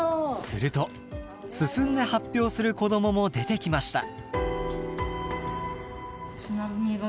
すると進んで発表する子どもも出てきました。